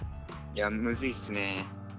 いやむずいっすね。